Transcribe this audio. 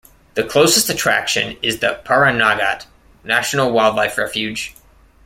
The closest attraction is the Pahranagat National Wildlife Refuge.